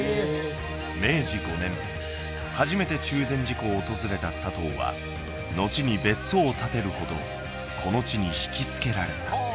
明治５年初めて中禅寺湖を訪れたサトウはのちに別荘を建てるほどこの地にひきつけられた